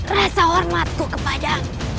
rasa hormatku kepada